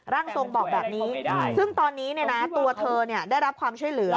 ร่างทรงบอกแบบนี้ซึ่งตอนนี้ตัวเธอได้รับความช่วยเหลือ